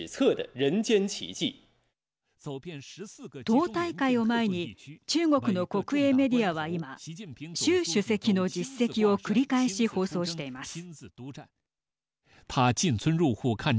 党大会を前に中国の国営メディアは今習主席の実績を繰り返し放送しています。